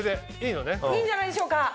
いいんじゃないでしょうか。